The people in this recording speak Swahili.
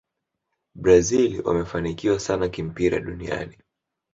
brazil wamefanikiwa sana kimpira duniani